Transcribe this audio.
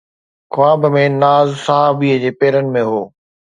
خواب ۾ ناز صحابي جي پيرن ۾ هو